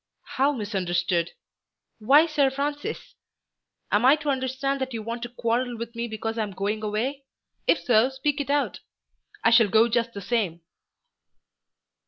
"How misunderstood? Why Sir Francis? Am I to understand that you want to quarrel with me because I am going away? If so speak it out. I shall go just the same."